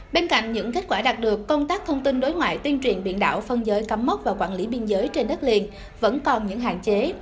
bên cạnh những kết quả đạt được công tác thông tin đối ngoại tuyên truyền biển đảo phân giới cắm mốc và quản lý biên giới trên đất liền vẫn còn những hạn chế